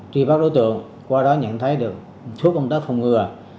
tri bác đối tượng qua đó nhận thấy được thuốc công tác phòng ngừa